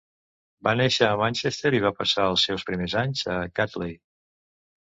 Va néixer a Manchester i va passar els seus primers anys a Gatley.